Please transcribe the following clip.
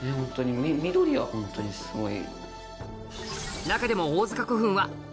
緑はホントにすごい。